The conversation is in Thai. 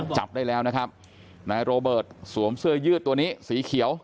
จับได้แล้วนะครับนายโรเบิร์ตสวมเสื้อยืดตัวนี้สีเขียว